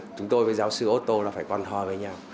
chúng tôi với giáo sư oto là phải quan thoi với nhau